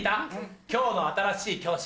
今日の新しい教師。